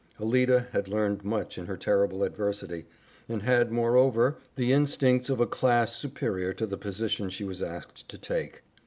Alida had learned much in her terrible adversity, and had, moreover the instincts of a class superior to the position she was asked to take.